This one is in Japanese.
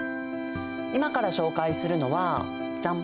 今から紹介するのはジャン！